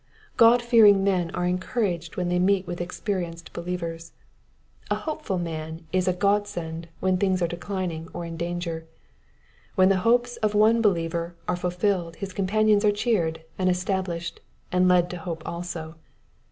God fearing men are encouraged when they meet with experienced believers. A hopeful man is a God send when things are declining or in danger. When the hopes of one believer are ful filled his companions are cheered and established, and led to hope also.